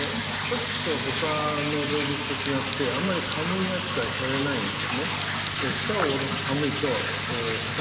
ちょっと他の動物と違ってあんまりカムイ扱いされないんですね。